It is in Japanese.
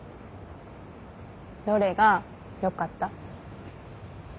どれがよかった？